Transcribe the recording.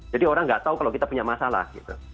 jadi orang nggak tahu kalau kita punya masalah